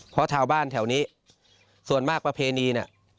เพราะชาวบ้านแถวนี้ส่วนมากประเพณีเนี่ย